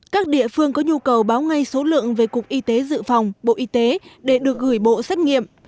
các địa phương có nhu cầu báo ngay số lượng về cục y tế dự phòng bộ y tế để được gửi bộ xét nghiệm